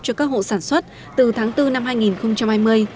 cho các hộ sản xuất từ tháng bốn năm hai nghìn hai mươi